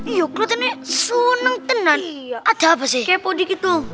iya kelihatannya seneng tenang ada apa sih kayak podi gitu